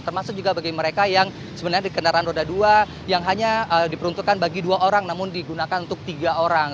termasuk juga bagi mereka yang sebenarnya di kendaraan roda dua yang hanya diperuntukkan bagi dua orang namun digunakan untuk tiga orang